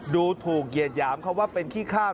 ดูถูกเหยียดหยามเขาว่าเป็นขี้ฆ่า